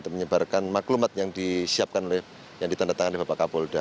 menyebarkan maklumat yang disiapkan oleh yang ditandatangani bapak kapolda